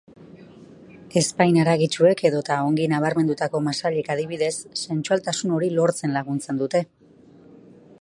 Ezpain haragitsuek edota ongi nabarmendutako masailek adibidez, sentsualtasun hori lortzen laguntzen dute.